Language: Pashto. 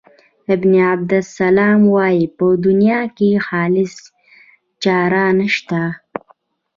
ابن عبدالسلام وايي په دنیا کې خالصه چاره نشته.